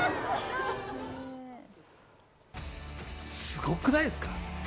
すごくないですか？